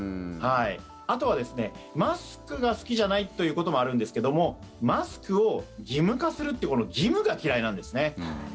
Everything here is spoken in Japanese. あとは、マスクが好きじゃないということもあるんですけどもマスクを義務化するというこの義務が嫌いなんですね。